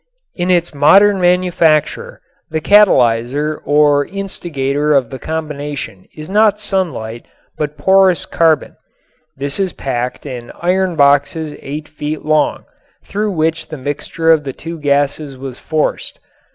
In its modern manufacture the catalyzer or instigator of the combination is not sunlight but porous carbon. This is packed in iron boxes eight feet long, through which the mixture of the two gases was forced.